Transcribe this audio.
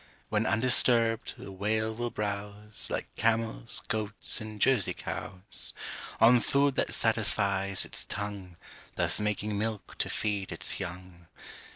When undisturbed, the Whale will browse Like camels, goats, and Jersey cows, On food that satisfies its tongue, Thus making milk to feed its young.